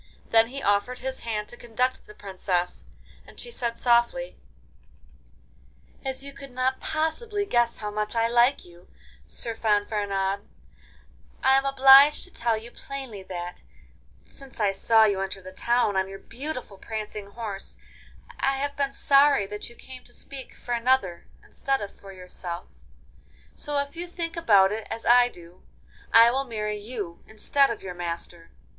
Then he offered his hand to conduct the Princess, and she said softly: 'As you could not possibly guess how much I like you, Sir Fanfaronade, I am obliged to tell you plainly that, since I saw you enter the town on your beautiful prancing horse, I have been sorry that you came to speak for another instead of for yourself. So, if you think about it as I do, I will marry you instead of your master.